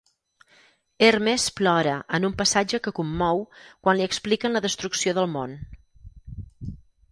Hermes plora, en un passatge que commou, quan li expliquen la destrucció del món.